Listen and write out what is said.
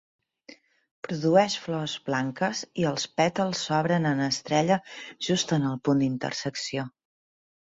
Produeix flors blanques i els pètals s'obren en estrella just en el punt d'intersecció.